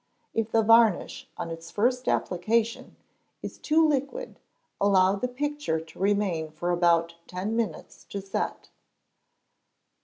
If the varnish, on its first application, is too liquid, allow the picture to remain for about ten minutes to set.